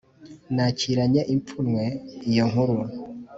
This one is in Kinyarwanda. nakiranye ipfunwe iyo nkuru,